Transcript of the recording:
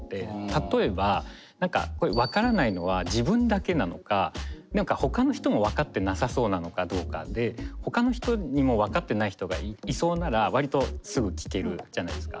例えば何かこれ分からないのは自分だけなのか何かほかの人も分かってなさそうなのかどうかでほかの人にも分かってない人がいそうなら割とすぐ聞けるじゃないですか。